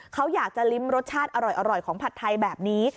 เขาอยากจะลิ้มรสชาติอร่อยของผัดไทยแบบนี้